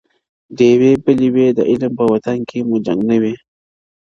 ډېوې بلي وي د علم په وطن کي مو جنګ نه وي,